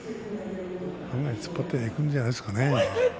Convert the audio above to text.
案外、突っ張っていくんじゃないですかね。